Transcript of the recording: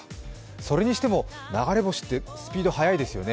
それにしても流れ星ってスピード速いですよね。